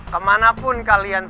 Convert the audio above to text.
kemanapun kalian berada di luar sana